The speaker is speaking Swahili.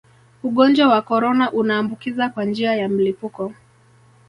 ugonjwa wa korona unaambukiza kwa njia ya mlipuko